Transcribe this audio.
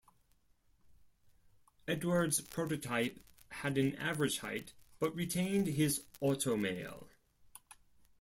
Edward's prototype had an average height, but retained his automail.